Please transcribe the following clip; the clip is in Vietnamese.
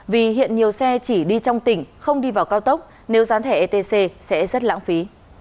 vì hiện nhiều xe chỉ đi trong tỉnh không đi vào cao tốc nếu gián thẻ etc sẽ rất lãng phí